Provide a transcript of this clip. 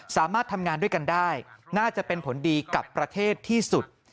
สามารถทำงานด้วยกันได้น่าจะเป็นผลดีกับประเทศที่สุด